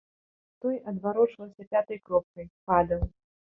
Той адварочваўся пятай кропкай, падаў.